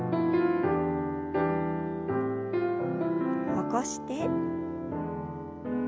起こして。